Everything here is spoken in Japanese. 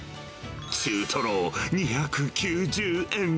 中トロ２９０円。